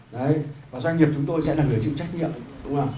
đấy và doanh nghiệp chúng tôi sẽ là người chịu trách nhiệm đúng không